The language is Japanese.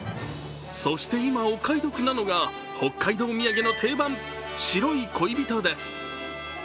そして今お買い得なのが北海道土産の定番・白い恋人です。